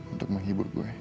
untuk menghibur gue